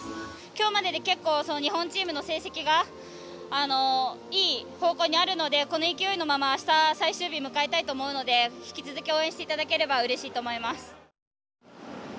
きょうまでで、結構日本チームの成績がいい方向にあるのでこの勢いのままあした、最終日迎えたいと思うので引き続き応援していただければうれしいと思います。